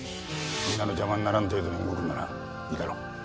みんなの邪魔にならん程度に動くならいいだろう。